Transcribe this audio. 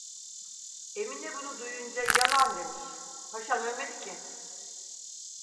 Emine bunu duyunca: 'Yalan!' demiş, 'Haşan ölmedi ki!"